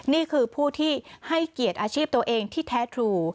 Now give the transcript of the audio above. นี่คือผู้ที่ให้เกียรติอาชีพตัวเองที่แท้ทรู